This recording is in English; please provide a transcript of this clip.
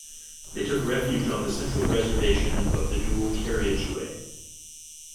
They took refuge on the central reservation of the dual carriageway